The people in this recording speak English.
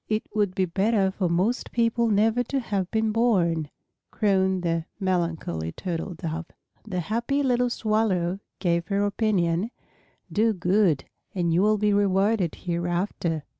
"It would be better for most people never to have been born," crooned the melancholy Turtle Dove. The happy little Swallow gave her opinion, "Do good and you will be rewarded hereafter."